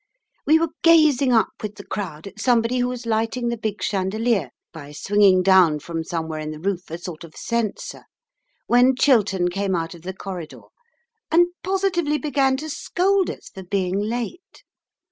We were gazing up with the crowd at somebody who was lighting the big chandelier by swinging down from somewhere in the roof a sort of censer, when Chiltern came out of the corridor and positively began to scold us for being late.